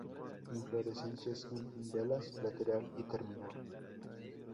Inflorescencias en umbelas, lateral y terminal.